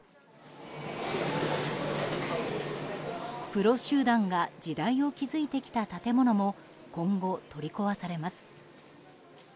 プロ集団が時代を築いてきた建物も今後、取り壊されます。